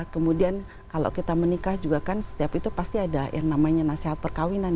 kemudian kalau kita menikah juga kan setiap itu pasti ada yang namanya nasihat perkawinan